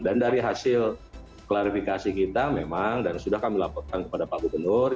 dan dari hasil klarifikasi kita memang dan sudah kami laporkan kepada pak gubernur